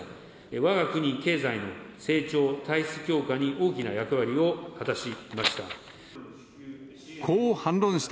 わが国経済の成長、体質強化に大きな役割を果たしました。